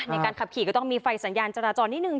ในการขับขี่ก็ต้องมีไฟสัญญาณจราจรนิดนึ